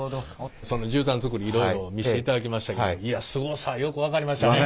その絨毯づくりいろいろ見していただきましたけどいやすごさよく分かりましたね。